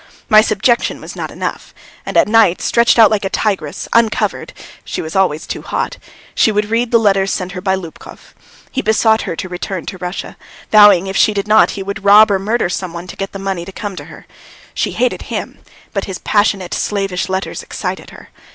My subjection was not enough, and at nights, stretched out like a tigress, uncovered she was always too hot she would read the letters sent her by Lubkov; he besought her to return to Russia, vowing if she did not he would rob or murder some one to get the money to come to her. She hated him, but his passionate, slavish letters excited her.